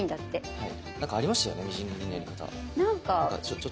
はい。